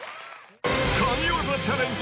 神業チャレンジ